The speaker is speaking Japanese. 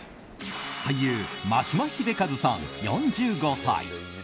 俳優・眞島秀和さん、４５歳。